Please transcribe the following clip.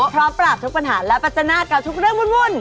พร้อมปราบทุกปัญหาและปัจจนากับทุกเรื่องวุ่น